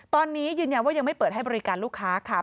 ตอนนี้ยืนยันว่ายังไม่เปิดให้บริการลูกค้าค่ะ